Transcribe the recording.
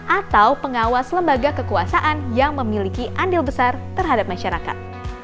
atau pengawas lembaga kekuasaan yang memiliki andil besar terhadap masyarakat